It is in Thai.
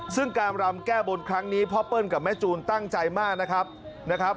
ซึ่งการรำแก้บนครั้งนี้พ่อเปิ้ลกับแม่จูนตั้งใจมากนะครับ